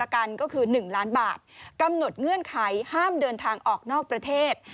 กำหนดเงื่อนไขห้ามเดินทางออกนอกประเทศ